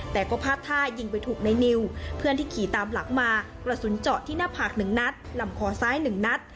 แต่ก็พาดท่ายิงไปถูกในนิวเพื่อนที่ขี่ตามหลังมากระสุนเจาะที่หน้าผากหนึ่งนัดลำคอซ้าย๑นัด